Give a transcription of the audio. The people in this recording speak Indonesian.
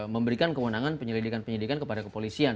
memberikan kewenangan penyelidikan penyelidikan kepada kepolisian